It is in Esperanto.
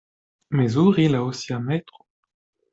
Mezuri laŭ sia metro.